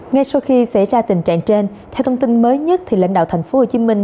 ngay sau khi xảy ra tình trạng trên theo thông tin mới nhất thì lãnh đạo thành phố hồ chí minh